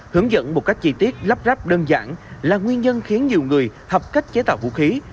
hướng dẫn một cách chi tiết lắp ráp đơn giản là nguyên nhân khiến nhiều người học cách chế tạo vũ khí